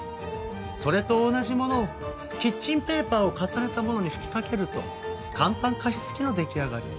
それと同じものをキッチンペーパーを重ねたものに吹きかけると簡単加湿器の出来上がり。